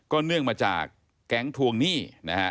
เนื่องมาจากแก๊งทวงหนี้นะฮะ